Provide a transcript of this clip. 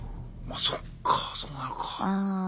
まそっかそうなるか。